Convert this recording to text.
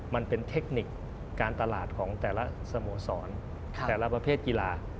มันเป็นเทคนิคการตลาดของแต่ละสโมสรแต่ละประเภทกีฬา